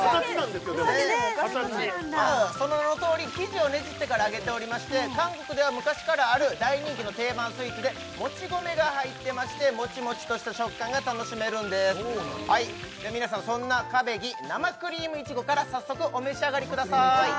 でも形その名のとおり生地をねじってから揚げておりまして韓国では昔からある大人気の定番スイーツでもち米が入ってましてもちもちとした食感が楽しめるんです皆さんそんなクァベギ生クリームイチゴから早速お召し上がりください